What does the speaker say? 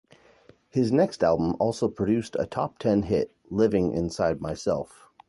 His next album also produced a top ten hit, "Living Inside Myself".